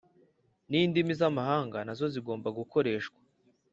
nindimi zamahanga nazo zigomba gukoreshwa